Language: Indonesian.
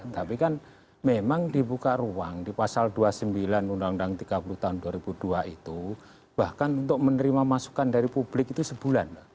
tapi kan memang dibuka ruang di pasal dua puluh sembilan undang undang tiga puluh tahun dua ribu dua itu bahkan untuk menerima masukan dari publik itu sebulan